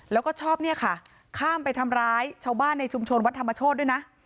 แล้วก็ชอบเนี่ยค่ะข้ามไปทำร้ายชาวบ้านในชุมชนวัดธรรมโชธด้วยนะ